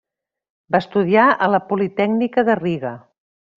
Va estudiar a la Politècnica de Riga.